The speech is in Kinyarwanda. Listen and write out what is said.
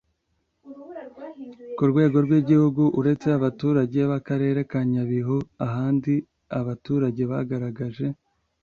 Ku rwego rw igihugu Uretse abaturage b akarere ka Nyabihu ahandi abaturage bagaragaje